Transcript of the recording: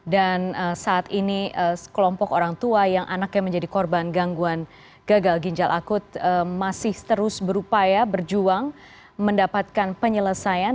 dan saat ini kelompok orang tua yang anaknya menjadi korban gangguan gagal ginjal akut masih terus berupaya berjuang mendapatkan penyelesaian